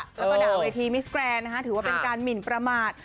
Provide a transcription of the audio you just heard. แล้วก็ด่าเวทีมิสแกรนถือว่าเป็นการหมินประมาท